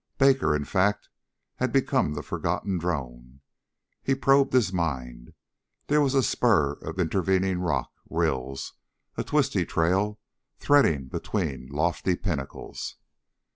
Baker, in fact, had become the forgotten drone. He probed his mind. There was a spur of intervening rock ... rills ... a twisty trail threading between lofty pinnacles....